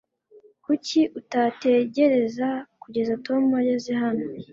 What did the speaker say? kuki utategereza kugeza tom ageze hano